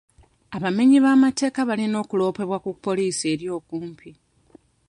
Abamenyi b'amateeka balina okuloopebwa ku poliisi eri okumpi.